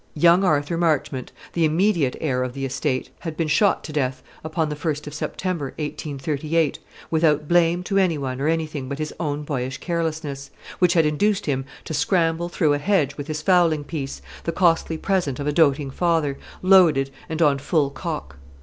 Young Arthur Marchmont, the immediate heir of the estate, had been shot to death upon the 1st of September, 1838, without blame to anyone or anything but his own boyish carelessness, which had induced him to scramble through a hedge with his fowling piece, the costly present of a doating father, loaded and on full cock.